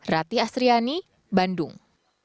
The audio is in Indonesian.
rati asriani bandung